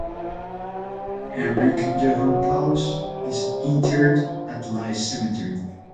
Henrik Johan Paus is interred at Lie cemetery.